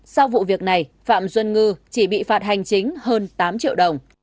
sau vụ việc này phạm xuân ngư chỉ bị phạt hành chính hơn tám triệu đồng